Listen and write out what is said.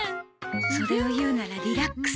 それを言うならリラックス。